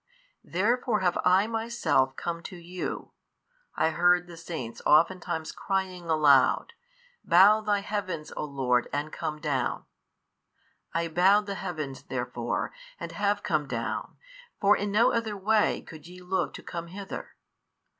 Therefore have I Myself come to you, I heard the Saints oftentimes crying aloud, Bow Thy Heavens o Lord and come down; I bowed the Heavens therefore and have come down; for in no other way |583 could ye look to come hither.